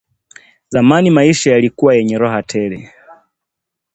Zamani maisha yalikuwa yenye raha tele